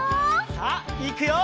さあいくよ！